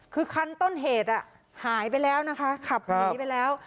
คือคันต้นเหตุหายไปแล้วนะคะขับหนีไปแล้ว